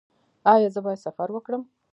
ایا زه باید سفر وکړم؟